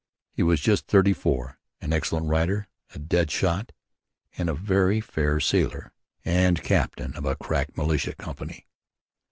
He was just thirty four; an excellent rider, a dead shot, a very fair sailor, and captain of a crack militia company.